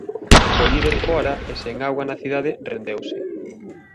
Co líder fóra e sen auga na cidade rendeuse.